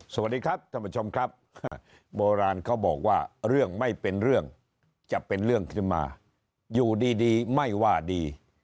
สวัสดีครับท่านผู้ชมครับโบราณเขาบอกว่าเรื่องไม่เป็นเรื่องจะเป็นเรื่องขึ้นมาอยู่ดีไม่ว่าดี